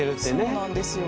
そうなんですよ。